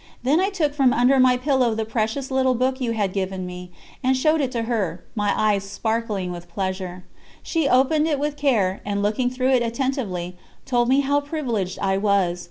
Then I took from under my pillow the precious little book you had given me, and showed it to her, my eyes sparkling with pleasure. She opened it with care, and, looking through it attentively, told me how privileged I was.